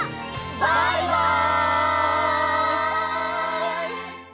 バイバイ！